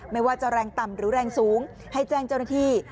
ไม่ว่าจะแรงต่ำหรือแรงสูงให้แจ้งเจ้าหน้าที่